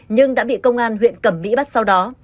nhưng đã bị công an huyện cẩm mỹ bắt sau đó